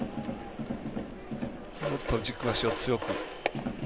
もっと軸足を強く。